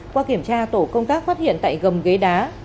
qua kiểm tra tổ công tác phát hiện tại gầm ghế đá